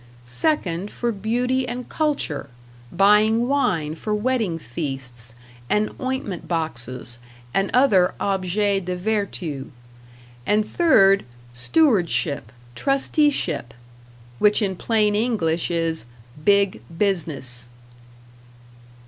second, for beauty and culture buying wine for wedding feasts, and ointment boxes and other #objets de vertu#; and third, "stewardship," "trusteeship" which in plain English is "Big Business."